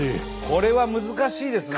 これは難しいですな。